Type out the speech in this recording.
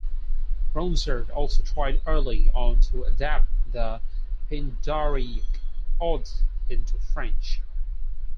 Ronsard also tried early on to adapt the Pindaric ode into French.